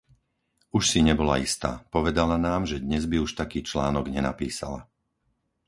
Už si nebola istá; povedala nám, že dnes by už taký článok nenapísala.